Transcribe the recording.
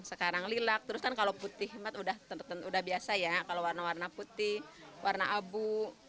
sekarang lilak terus kan kalau putih hemat udah biasa ya kalau warna warna putih warna abu